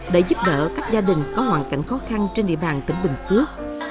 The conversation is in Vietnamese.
để giúp đỡ các gia đình có hoàn cảnh khó khăn trên địa bàn tỉnh bình phước